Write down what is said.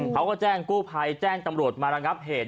เขาก็แจ้งกู้ภัยแจ้งตำรวจมาระงับเหตุ